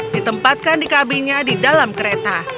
ditempatkan di kabinnya di dalam kereta